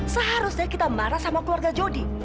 seharusnya kita marah sama keluarga jodi